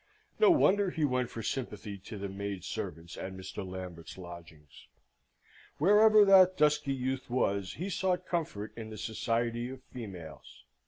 No wonder he went for sympathy to the maid servants at Mr. Lambert's lodgings. Wherever that dusky youth was, he sought comfort in the society of females.